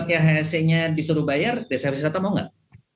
kalau chsi nya disuruh bayar desa wisata mau nggak